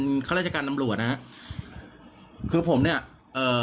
เป็นข้าราชการตำรวจนะฮะคือผมเนี้ยเอ่อ